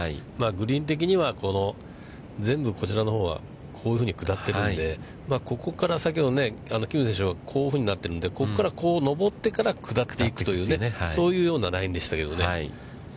グリーン的には、全部、こちらのほうはこういうふうに下っているので、ここから先のこうなっているんで、ここからこう上ってから、下っていくという、そういうようなラインでしたけどね。